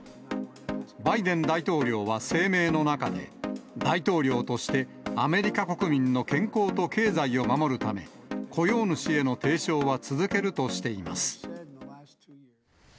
バイデン大統領は声明の中で、大統領として、アメリカ国民の健康と経済を守るため、雇用主への提唱は続けるとしています。